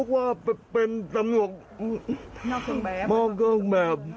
ลูกว่าเป็นตำรวจนอกกล้องแบบ